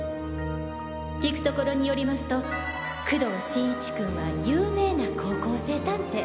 聞くところによりますと工藤新一君は有名な高校生探偵。